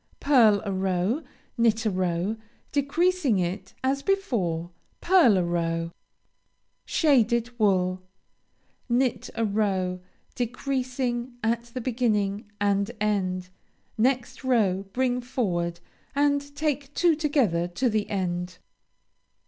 Pearl a row. Knit a row, decreasing it as before. Pearl a row. Shaded wool Knit a row, decreasing at the beginning and end. Next row, bring forward and take two together to the end.